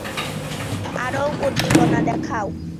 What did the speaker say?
আরও উদ্দীপনা দেখাও।